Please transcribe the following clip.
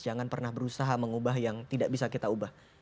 jangan pernah berusaha mengubah yang tidak bisa kita ubah